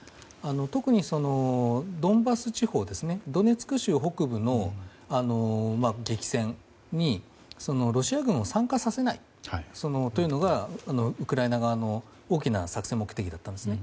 特にドンバス地方ですねドネツク州北部の激戦にロシア軍を参加させないというのがウクライナ側の大きな作戦の目的だったんですね。